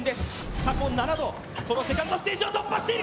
過去７度、このセカンドステージを突破していく！